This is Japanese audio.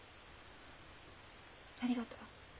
ありがとう。